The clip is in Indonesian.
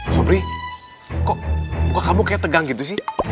sobri kok muka kamu kayak tegang gitu sih